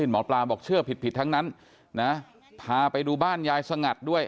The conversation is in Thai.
หมอปลาบอกเชื่อผิดผิดทั้งนั้นนะพาไปดูบ้านยายสงัดด้วย